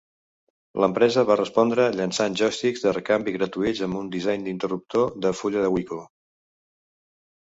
L'empresa va respondre llançant joysticks de recanvi gratuïts amb un disseny d'interruptor de fulla de Wico.